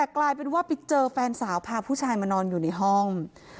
แต่กลายเป็นว่าไปเจอแฟนสาวพาผู้ชายมานอนอยู่ในห้อง